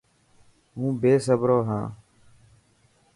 هون بيصبرو هان.